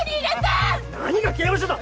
何が刑務所だ！